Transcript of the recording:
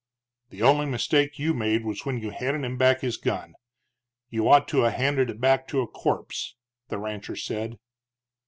"The only mistake you made was when you handed him back his gun. You ought to 'a' handed it back to a corpse," the rancher said.